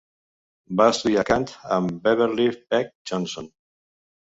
Va estudiar cant amb Beverley Peck Johnson.